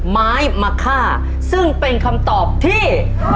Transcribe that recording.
ไม้มะค่าซึ่งเป็นคำตอบที่